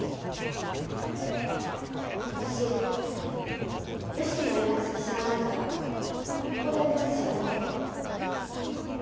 私良樹の連絡先知らないからここで待つしかなかったの。